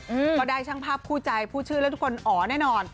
ก็ได้ช่างภาพคู่ใจพูดชื่อแล้วทุกคนอ๋อแน่นอน